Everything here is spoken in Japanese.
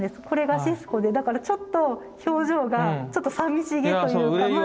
これがシスコでだからちょっと表情がちょっとさみしげというか。